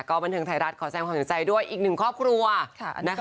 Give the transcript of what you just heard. บันเทิงไทยรัฐขอแสดงความสนใจด้วยอีกหนึ่งครอบครัวนะคะ